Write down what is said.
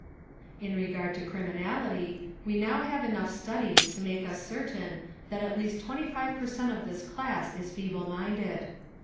In regard to criminality, we now have enough studies to make us certain that at least 25 per cent of this class is feeble minded.